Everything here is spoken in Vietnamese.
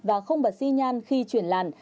và không bật xi nhan khi chuyển làn